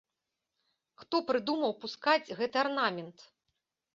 Хто прыдумаў пускаць гэты арнамент?